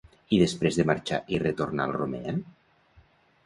I després de marxar i retornar al Romea?